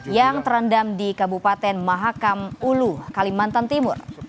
yang terendam di kabupaten mahakam ulu kalimantan timur